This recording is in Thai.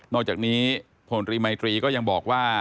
นอกจากนี้โพนทรีไมตรียังบอกว่า